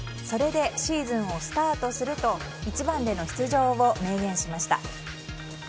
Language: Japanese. それでシーズンをスタートすると１番での出場を明言しました。